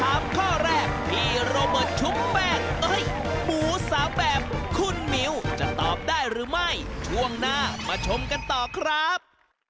นั่นแหละสิหมูสาแบบนี้แบบไหนราคาถูกที่สุด